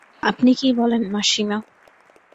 আপনি কী বলেন মাসিমা?